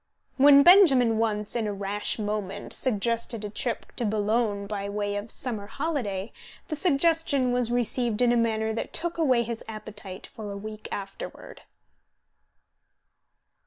When Benjamin once, in a rash moment, suggested a trip to Boulogne by way of summer holiday, the suggestion was received in a manner that took away his appetite for a week afterward.